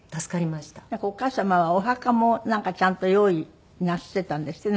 お母様はお墓もちゃんと用意なすっていたんですって？